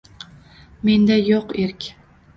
Menda yo’q erk